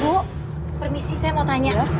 bu permisi saya mau tanya